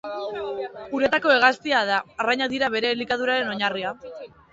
Uretako hegaztia da, arrainak dira bere elikaduraren oinarria.